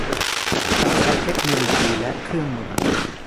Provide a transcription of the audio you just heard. การใช้เทคโนโลยีและเครื่องมือ